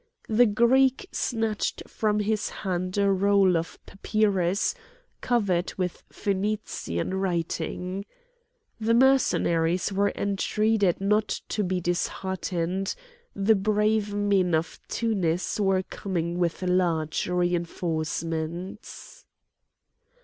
The Greek snatched from his hand a roll of papyrus covered with Phonician writing. The Mercenaries were entreated not to be disheartened; the brave men of Tunis were coming with large reinforcements.